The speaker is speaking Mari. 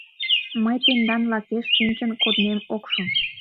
Мый тендан лакеш шинчын кодмем ок шу...